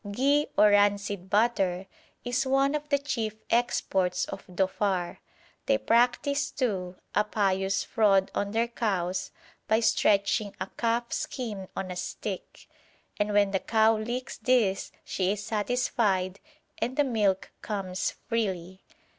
Ghi or rancid butter is one of the chief exports of Dhofar. They practise too, a pious fraud on their cows by stretching a calf skin on a stick, and when the cow licks this she is satisfied and the milk comes freely.